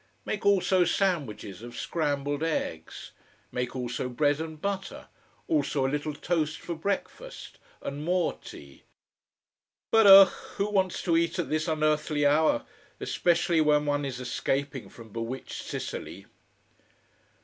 Make also sandwiches of scrambled eggs. Make also bread and butter. Also a little toast for breakfast and more tea. But ugh, who wants to eat at this unearthly hour, especially when one is escaping from bewitched Sicily.